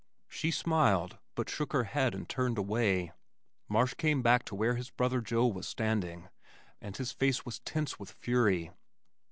She smiled, but shook her head and turned away. Marsh came back to where his brother Joe was standing and his face was tense with fury.